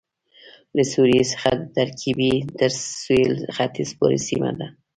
له سوریې څخه د ترکیې تر سوېل ختیځ پورې سیمه ده